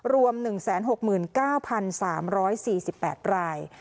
รวมหนึ่งแสนหกหมื่นเก้าพันสามร้อยสี่สิบแปดราย